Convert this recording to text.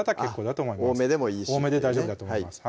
多めでもいいし多めで大丈夫だと思います